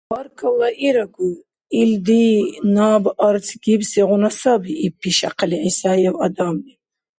— Баркалла иригу, илра наб арц гибсигъуна саби, — иб, пишяхъили, ГӀисаев Адамли.